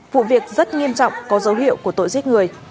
vụ việc rất nghiêm trọng có dấu hiệu của tội giết người